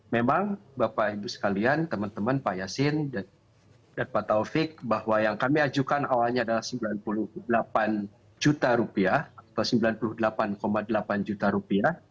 memang bapak ibu sekalian teman teman pak yasin dan pak taufik bahwa yang kami ajukan awalnya adalah sembilan puluh delapan juta rupiah atau sembilan puluh delapan delapan juta rupiah